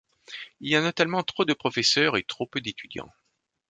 Il y a notamment trop de professeurs et trop peu d'étudiants.